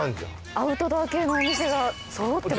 アウトドア系のお店が揃ってますね。